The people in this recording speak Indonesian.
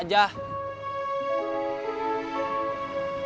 nggak usah perang